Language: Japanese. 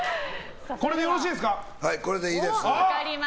これでいいです。